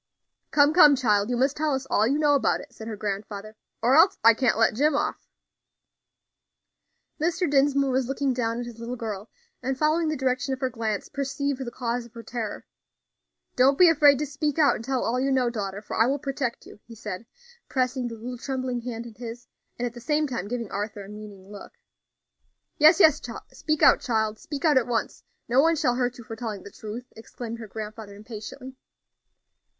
"Come, come, child, you must tell us all you know about it," said her grandfather, "or else I can't let Jim off." Mr. Dinsmore was looking down at his little girl, and, following the direction of her glance, perceived the cause of her terror. "Don't be afraid to speak out and tell all you know, daughter, for I will protect you," he said, pressing the little trembling hand in his, and at the same time giving Arthur a meaning look. "Yes, yes, speak out, child; speak out at once; no one shall hurt you for telling the truth," exclaimed her grandfather, impatiently.